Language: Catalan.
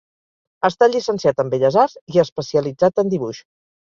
Està llicenciat en belles arts i especialitzat en dibuix.